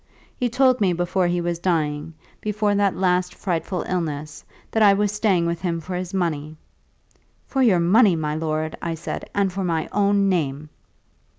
He told me before he was dying, before that last frightful illness, that I was staying with him for his money. 'For your money, my lord,' I said, 'and for my own name.'